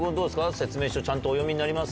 説明書、ちゃんとお読みになります？